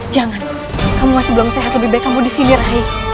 jangan kamu masih belum sehat lebih baik kamu disindir hai